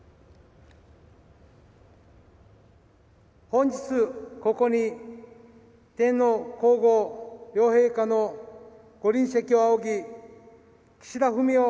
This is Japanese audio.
本日ここに天皇皇后両陛下の御臨席を仰ぎ岸田文雄